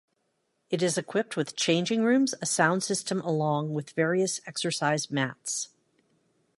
It is equipped with changing rooms, a sound system along with various exercise mats.